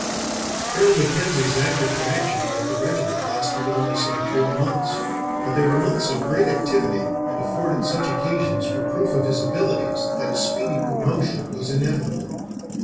Colonel Mackenzie's active connection with the regiment lasted only some four months, but they were months of great activity and afforded such occasions for proof of his abilities that his speedy promotion was inevitable.